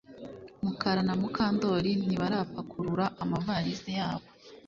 Mukara na Mukandoli ntibarapakurura amavalisi yabo